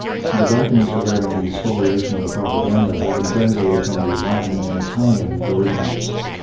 The documents regarding the Spolia tion of tlie Propaganda have been translated from the Latin and Italian originals.